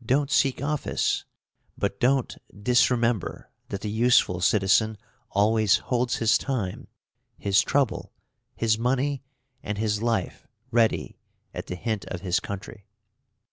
Don't seek office, but don't "disremember" that the "useful citizen" always holds his time, his trouble, his money, and his life ready at the hint of his country.